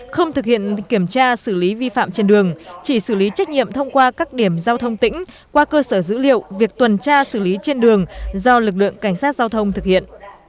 không thực hiện kiểm tra xử lý vi phạm trên đường chỉ xử lý trách nhiệm thông qua các điểm giao thông tỉnh qua cơ sở dữ liệu việc tuần tra xử lý trên đường do lực lượng cảnh sát giao thông thực hiện